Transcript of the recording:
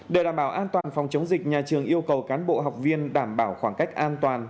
để đảm bảo an toàn phòng chống dịch nhà trường yêu cầu cán bộ học viên đảm bảo khoảng cách an toàn